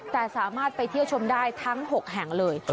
แต่สามารถไปเที่ยวชมได้ทั้ง๖แห่งเลย